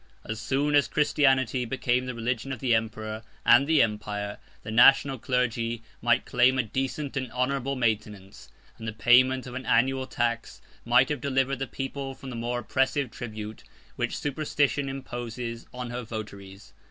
As soon as Christianity became the religion of the emperor and the empire, the national clergy might claim a decent and honorable maintenance; and the payment of an annual tax might have delivered the people from the more oppressive tribute, which superstition imposes on her votaries.